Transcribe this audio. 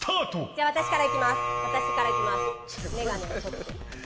じゃあ、私から行きます。